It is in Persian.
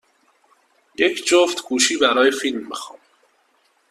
یک جفت گوشی برای فیلم می خواهم.